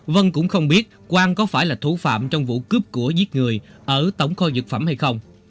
vân cũng không biết quang có phải là thủ phạm trong vụ cướp của giết người ở tổng kho dược phẩm hay không